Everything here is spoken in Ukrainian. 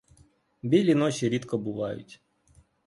Білі ночі рідко бувають.